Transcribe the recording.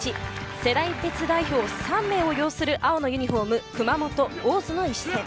世代別代表３名を擁する青のユニホーム、熊本・大津の一戦。